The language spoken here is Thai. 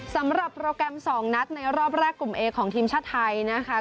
สำหรับโปรแกรม๒นัดในรอบแรกกลุ่มเอของทีมชาติไทยนะคะ